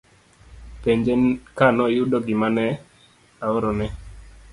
Penje ka noyudo gima ne ahorone